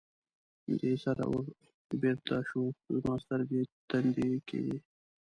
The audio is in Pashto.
دې سره ور بېرته شو، زما سترګې تندې کې وې.